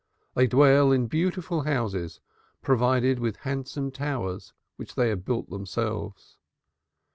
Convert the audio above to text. They dwell in beautiful houses provided with handsome towers, which they have built themselves.